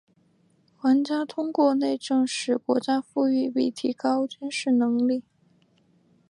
玩家通过内政使国家富裕并提高军事实力。